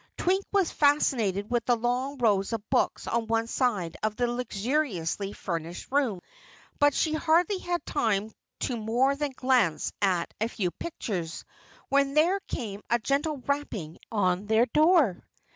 Twink was fascinated with the long rows of books on one side of the luxuriously furnished room, but she hardly had time to do more than glance at a few pictures, when there came a gentle rapping on their door.